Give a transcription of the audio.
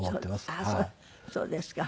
あっそうですか。